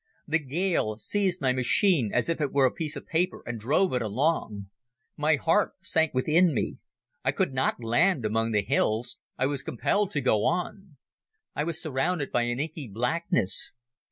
The gale seized my machine as if it were a piece of paper and drove it along. My heart sank within me. I could not land among the hills. I was compelled to go on. I was surrounded by an inky blackness.